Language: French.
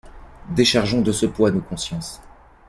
Déchargeons de ce poids nos consciences.